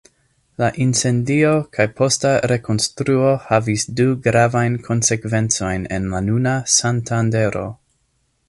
La incendio kaj posta rekonstruo havis du gravajn konsekvencojn en la nuna Santandero.